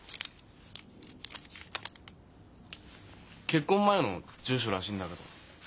結婚前の住所らしいんだけど。